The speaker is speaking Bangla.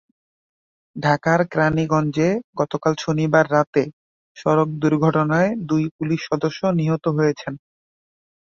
ঢাকার কেরানীগঞ্জে গতকাল শনিবার রাতে সড়ক দুর্ঘটনায় দুই পুলিশ সদস্য নিহত হয়েছেন।